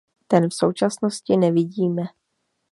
Ten v současnosti nevidíme.